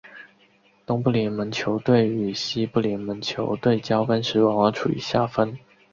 东部联盟球队与西部联盟球队交锋时往往处于下风。